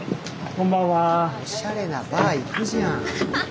おしゃれなバー行くじゃん。